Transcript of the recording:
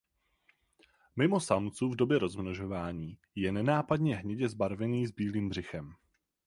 Mimo samců v době rozmnožování je nenápadně hnědě zbarvený s bílým břichem.